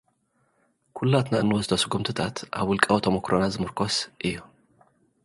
ኩላትና እንወስዶ ስጉምትታት ኣብ ውልቃዊ ተመክሮና ዝምርኮስ እዩ።